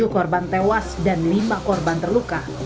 tujuh korban tewas dan lima korban terluka